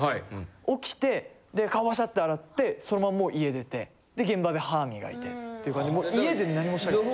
起きて顔バシャッて洗ってそのままもう家出て現場で歯磨いてっていう感じで家で何もしないです。